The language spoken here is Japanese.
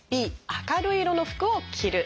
「Ｂ明るい色の服を着る」。